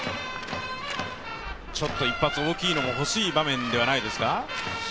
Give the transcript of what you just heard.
一発大きいのも欲しい場面ではないですか？